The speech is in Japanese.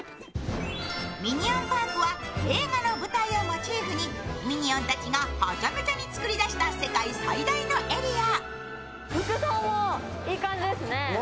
「ミニオン・パーク」は映画の舞台をモチーフにミニオンたちがはちゃめちゃに作り出した世界最大のエリア。